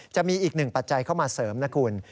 จะมีอีกหนึ่งปัจจัยเข้ามาเสริมนะคุณ